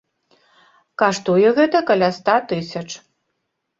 Каштуе гэта каля ста тысяч.